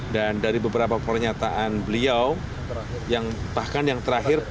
dan dari beberapa pernyataan beliau bahkan yang terakhir